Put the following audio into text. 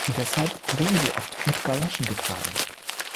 Deshalb werden sie oft mit Galoschen getragen.